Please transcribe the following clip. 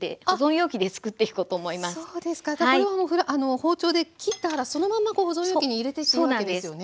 じゃあこれはあの包丁で切ったらそのまま保存容器に入れていっていいわけですよね。